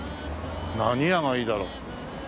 何屋がいいだろう。